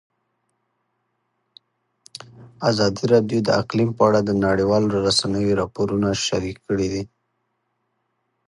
ازادي راډیو د اقلیم په اړه د نړیوالو رسنیو راپورونه شریک کړي.